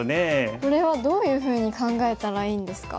これはどういうふうに考えたらいいんですか？